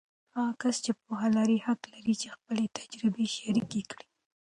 هغه کس چې پوهه لري، حق لري چې خپله تجربې شریکې کړي.